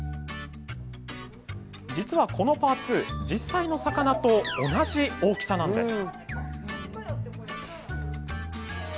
実は、このパーツ実際の魚と同じ大きさなんです。